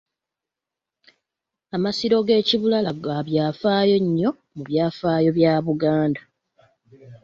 Amasiro g’e Kibulala ga byafaayo nnyo mu byafaayo bya Buganda.